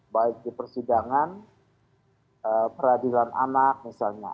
baik di persidangan peradilan anak misalnya